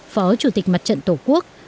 phó chủ tịch mặt trận tổ quốc